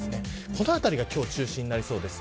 この辺りが今日は中心になりそうです。